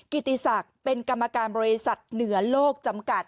กิติศักดิ์เป็นกรรมการบริษัทเหนือโลกจำกัด